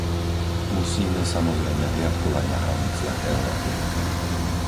Musíme, samozrejme, hliadkovať na hraniciach Európy.